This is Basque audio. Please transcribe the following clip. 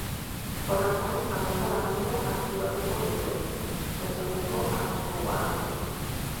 Horrez gain, alerta laranja aktibatuko dute, itsasaldeko arriskuagatik.